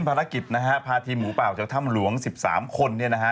ภารกิจนะฮะพาทีมหมูป่าจากถ้ำหลวง๑๓คนเนี่ยนะฮะ